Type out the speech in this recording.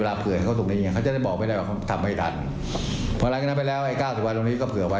และก็คงพลาเองแหละ